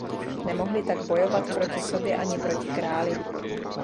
Nemohli tak bojovat proti sobě ani proti králi.